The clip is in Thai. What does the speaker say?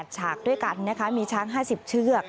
ฉากด้วยกันนะคะมีช้าง๕๐เชือก